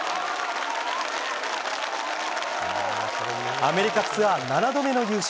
アメリカツアー７度目の優勝。